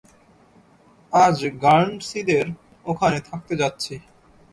আজ গার্নসিদের ওখানে থাকতে যাচ্ছি।